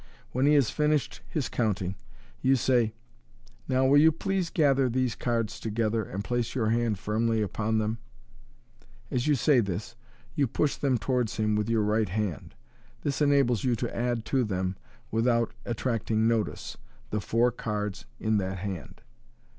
When he has finished his counting, you say, " Now will you please gather these cards together, and place your hand firmly upon them ?" As you say this, you push them towards him with your right hand. This enables you to add to them, without attracting notice, the four card9 in that hand.